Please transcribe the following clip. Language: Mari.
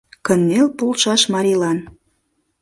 Кынел полшаш марийлан